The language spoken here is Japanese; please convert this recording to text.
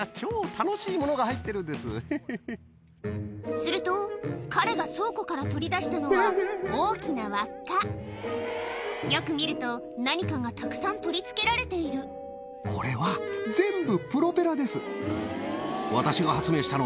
すると彼が倉庫から取り出したのはよく見ると何かがたくさん取り付けられているこれは全部。